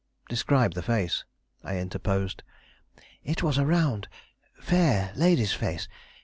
"Describe the face," I interposed. "It was a round, fair, lady's face.